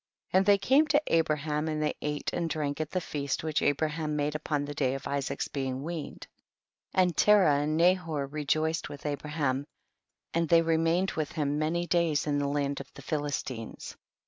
7. And they came to Abraham, and they ate and drank at the feast which Abraham made upon the day of Isaac's being weaned. 8. And Terah and Nahor rejoiced with Abraham, and they remained 58 THE BOOK OF JASHER. with him many days in the land of the PhiUstines.